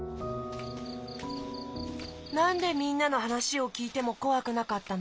なんでみんなのはなしをきいてもこわくなかったの？